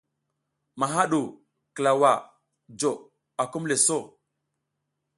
Maha ɗu klawa jo akumle so.